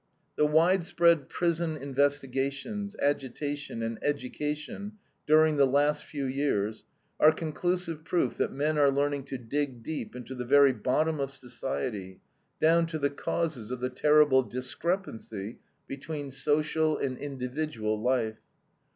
The widespread prison investigations, agitation, and education during the last few years are conclusive proof that men are learning to dig deep into the very bottom of society, down to the causes of the terrible discrepancy between social and individual life.